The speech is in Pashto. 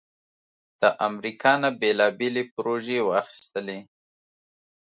د امریکا نه بیلابیلې پروژې واخستلې